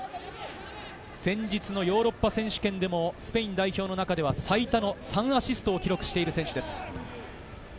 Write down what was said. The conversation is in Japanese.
先日のヨーロッパ選手権でもスペイン代表の中では最多の３アシストを記録している選手です。